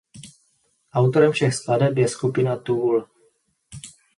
Autorem všech skladeb je skupina Tool.